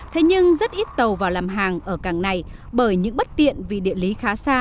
thế nhưng rất ít tàu vào làm hàng ở cảng này bởi những bất tiện vì địa lý khá xa